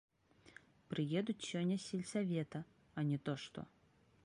Прыедуць сёння з сельсавета, а не то што.